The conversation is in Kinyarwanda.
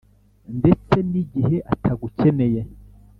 ndetse n’igihe atagukeneye